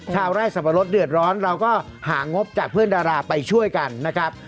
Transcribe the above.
ไร่สับปะรดเดือดร้อนเราก็หางบจากเพื่อนดาราไปช่วยกันนะครับ